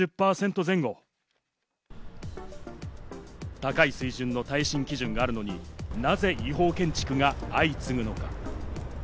高い水準の耐震基準があるのに、なぜ違法建築が相次ぐのか？